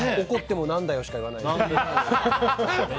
怒っても何だよしか言わない。